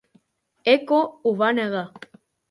Eco ho va negar.